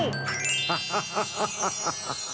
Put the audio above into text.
ハハハハハハハ！